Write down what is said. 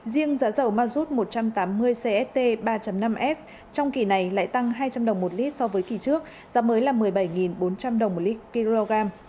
riêng giá dầu mazut một trăm tám mươi cst ba năm s trong kỳ này lại tăng hai trăm linh đồng một lít so với kỳ trước giá mới là một mươi bảy bốn trăm linh đồng một lít kg